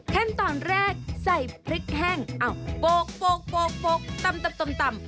แค่ตอนแรกใส่พริกแห้งเอ้าโปรกโปรกโปรกโปรกตำตำตำตำ